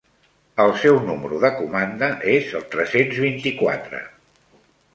El seu número de comanda és el tres-cents vint-i-quatre.